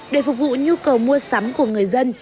để phục vụ nhu cầu mua sắm của người dân